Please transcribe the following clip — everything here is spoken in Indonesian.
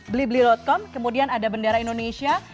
blibli com kemudian ada bendera indonesia